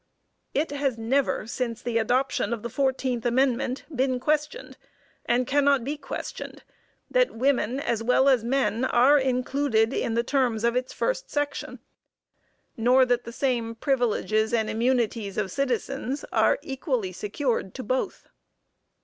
It has never, since the adoption of the fourteenth amendment, been questioned, and cannot be questioned, that women as well as men are included in the terms of its first section, nor that the same "privileges and immunities of citizens" are equally secured to both.